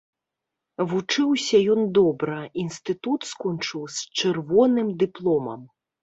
Вучыўся ён добра, інстытут скончыў з чырвоным дыпломам.